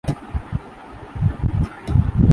خصوصی اثرات جبکہ غیر معمولی نے فلم پر غلبہ حاصل کیا